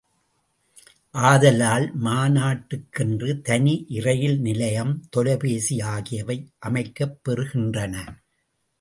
ஆதலால், மாநாட்டுக்கென்று தனி இரயில் நிலையம், தொலைபேசி ஆகியவை அமைக்கப் பெறுகின்றன.